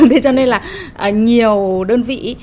thế cho nên là nhiều đơn vị